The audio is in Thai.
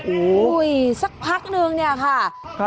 โอ้โหสักพักนึงเนี่ยค่ะ